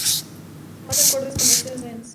Más acorde con Mercedes-Benz.